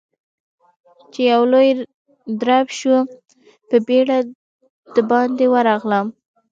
چې يو لوی درب شو، په بيړه د باندې ورغلم.